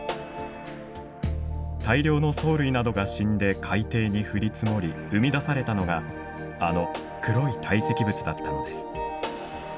大量の藻類などが死んで海底に降り積もり生み出されたのがあの黒い堆積物だったのです。